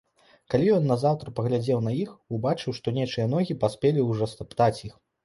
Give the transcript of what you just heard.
Калі ён назаўтра паглядзеў на іх, убачыў, што нечыя ногі паспелі ўжо стаптаць іх.